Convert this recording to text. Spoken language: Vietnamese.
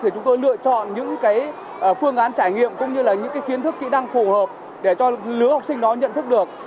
chúng tôi lựa chọn những phương án trải nghiệm cũng như là những kiến thức kỹ năng phù hợp để cho lứa học sinh đó nhận thức được